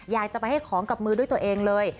อยากจะไปให้ของกับมือด้วยตัวเองเลย